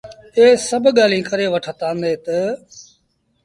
اي سڀ ڳآليٚنٚ ڪري وٺتآندي تا